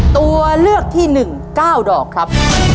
ตัวเลือกที่๑๙ดอกครับ